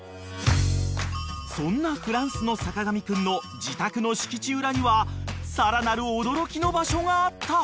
［そんなフランスの坂上くんの自宅の敷地裏にはさらなる驚きの場所があった］